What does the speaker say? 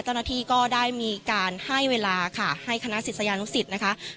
เจ้าหน้าที่ก็ได้มีการให้เวลาค่ะให้คณะศิษยานุสิตนะคะ